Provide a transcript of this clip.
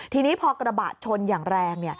ทีนี้พอกระบะชนอย่างแรง